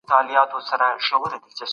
موږ باید د نړۍ د عصري علومو خبر اوسو.